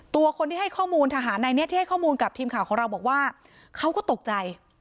ตัวคนที่ให้ข้อมูลทหารในนี้ที่ให้ข้อมูลกับทีมข่าวของเราบอกว่าเขาก็ตกใจ